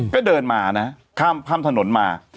ก็เดินมานะข้ามถนนมา